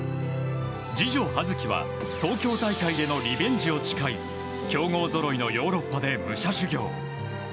次女・葉月は東京大会へのリベンジを誓い強豪ぞろいのヨーロッパで武者修行。